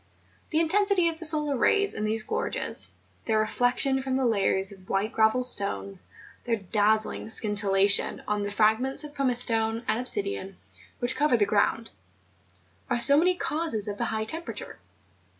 The intensity of the solar rays in these gorges, their reflection from the layers of white gravel stone, their dazzling scintillation on the fragments of pumice stone and obsidian, which cover the groimd, are so many causes of the high temperature.